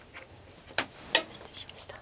失礼しました。